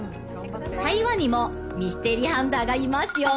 台湾にもミステリーハンターがいますよ！